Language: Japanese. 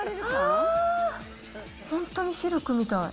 あー、本当にシルクみたい。